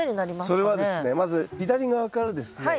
それはですねまず左側からですね